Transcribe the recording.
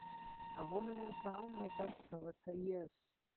A woman in clown makeup covers her ears.